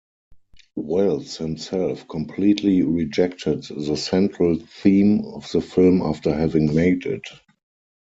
Welles himself completely rejected the central theme of the film after having made it.